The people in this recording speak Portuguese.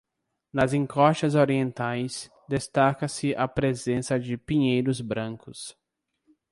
Nas encostas orientais, destaca-se a presença de pinheiros brancos.